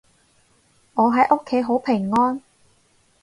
我喺屋企好平安